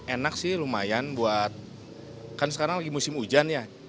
enak sih lumayan buat kan sekarang lagi musim hujan ya